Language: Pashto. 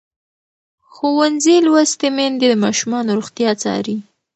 ښوونځې لوستې میندې د ماشومانو روغتیا څاري.